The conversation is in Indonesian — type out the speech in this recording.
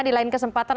di lain kesempatan